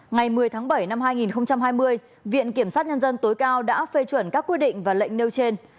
ngày một mươi tháng bảy năm hai nghìn hai mươi viện kiểm sát nhân dân tối cao đã phê chuẩn các quy định và lệnh nêu trên